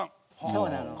そうなの。